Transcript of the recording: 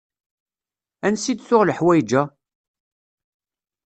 Ansi d-tuɣ leḥwayeǧ-a?